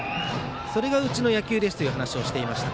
それがうちの野球ですという話をしていました。